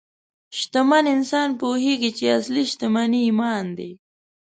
شتمن انسان پوهېږي چې اصلي شتمني ایمان دی.